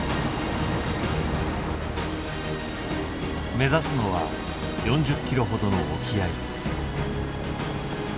目指すのは４０ｋｍ程の沖合。